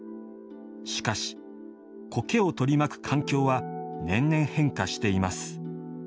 しかし、苔を取り巻く環境は年々変化しています。